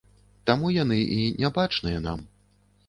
Таму яны і нябачныя нам.